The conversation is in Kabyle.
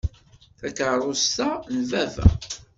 Takeṛṛust-a n baba.